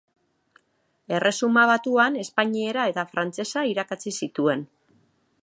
Erresuma Batuan espainiera eta frantsesa irakatsi zituen.